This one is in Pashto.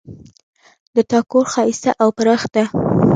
د تا کور ښایسته او پراخ ده